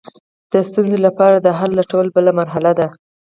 د ستونزې لپاره د حل لټول بله مرحله ده.